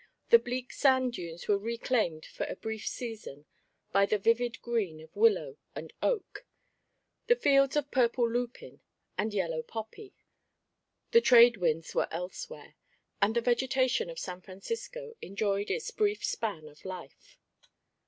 The bleak sand dunes were reclaimed for a brief season by the vivid green of willow and oak, the fields of purple lupin and yellow poppy; the trade winds were elsewhere, and the vegetation of San Francisco enjoyed its brief span of life.